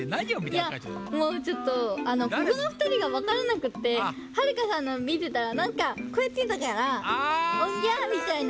いやもうちょっとここのふたりがわからなくってはるかさんのをみてたらなんかこうやってたからおんぎゃみたいな。